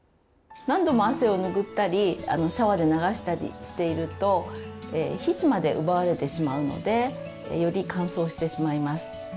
何度も汗を拭ったりシャワーで流したりしていると皮脂まで奪われてしまうのでより乾燥してしまいます。